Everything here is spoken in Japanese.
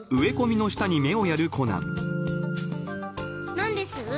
何です？